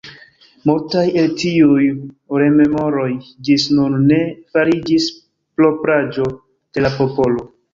Multaj el tiuj rememoroj ĝis nun ne fariĝis propraĵo de la popolo.